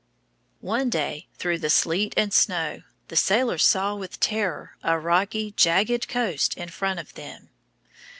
One day, through the sleet and snow, the sailors saw with terror a rocky, jagged coast in front of them.